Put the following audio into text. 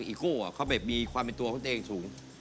ทิศทีมากอิโก้เขามีความเป็นตัวของตัวเองสูง